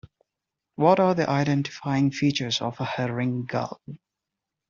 What are the identifying features of a herring gull?